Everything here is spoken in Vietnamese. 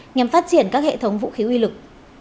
nhằm phát triển các hệ thống vũ khí uy lực